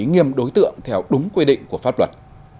nghiêm đối tượng theo đúng quy định của pháp luật